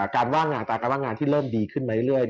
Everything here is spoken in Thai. ว่างงานอัตราการว่างงานที่เริ่มดีขึ้นมาเรื่อย